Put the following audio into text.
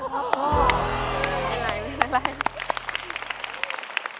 หมื่นครับพ่อ